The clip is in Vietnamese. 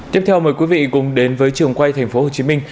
tiếp theo mời quý vị cùng đến với trường quay thành phố hồ chí minh